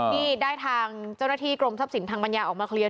ที่ได้ทางเจ้าหน้าที่กรมทรัพย์สินทางปัญญาออกมาเคลียร์